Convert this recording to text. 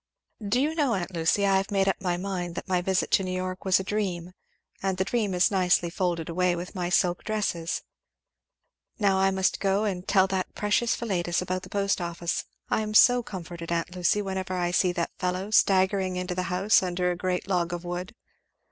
"Do you know, aunt Lucy, I have made up my mind that my visit to New York was a dream, and the dream is nicely folded away with my silk dresses. Now I must go tell that precious Philetus about the post office I am so comforted, aunt Lucy, whenever I see that fellow staggering into the house under a great log of wood!